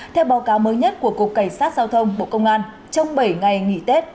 theo báo cáo mới nhất của cục cảnh sát giao thông bộ công an trong bảy ngày nghỉ tết